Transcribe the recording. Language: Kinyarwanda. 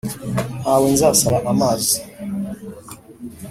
nta we nzasaba amazi,